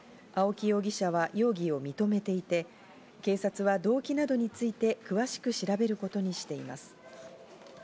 青木容疑者は容疑を認めていて、警察は動機などについて詳しく調べることにしています。